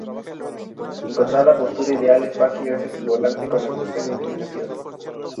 Encontrar la postura ideal es fácil gracias a su volante con ajuste de inclinación.